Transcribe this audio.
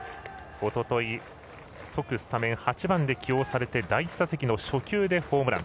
おととい、即スタメン８番で起用されて第１打席の初球でホームラン。